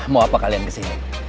mau apa kalian kesini